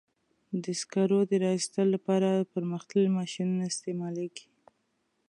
د سکرو د را ایستلو لپاره پرمختللي ماشینونه استعمالېږي.